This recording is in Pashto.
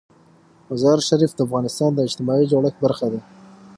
مزارشریف د افغانستان د اجتماعي جوړښت برخه ده.